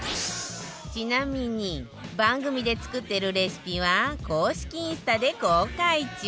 ちなみに番組で作ってるレシピは公式インスタで公開中